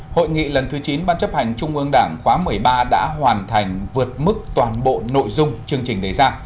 hội nghị lần thứ chín ban chấp hành trung ương đảng khóa một mươi ba đã hoàn thành vượt mức toàn bộ nội dung chương trình đề ra